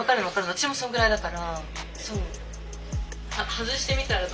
私もそんぐらいだから。